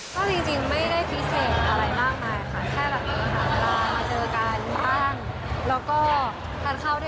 ก็จริงไม่ได้เพียงเทศอะไรมากนะครับ